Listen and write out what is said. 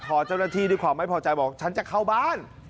พอเจ้าหน้าที่ด้วยความไม่พอใจบอกฉันจะเข้าบ้าน